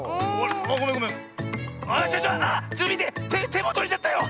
てもとれちゃったよ！